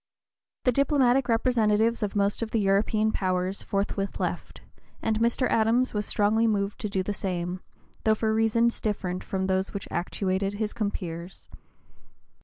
The diplomatic representatives of most of the European powers forthwith left, and Mr. Adams was strongly moved to do the same, though for reasons different from those which actuated his compeers.